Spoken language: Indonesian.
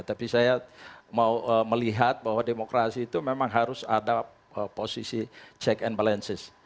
tapi saya mau melihat bahwa demokrasi itu memang harus ada posisi check and balances